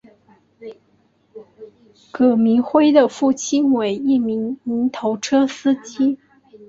葛民辉的父亲为一名泥头车司机。